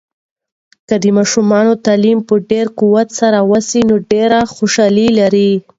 که د ماشومانو تعلیم په ډیر قوت سره وسي، نو ډیر خوشحالي لري.